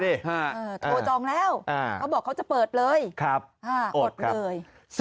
โทรจองแล้วเขาบอกเขาจะเปิดเลยอดเลย